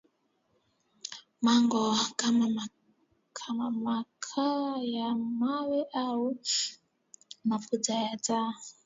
mango km makaa ya mawe au mafuta ya taa